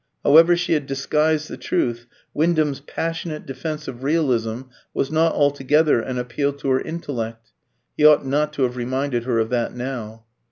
However she had disguised the truth, Wyndham's passionate defence of realism was not altogether an appeal to her intellect. He ought not to have reminded her of that now.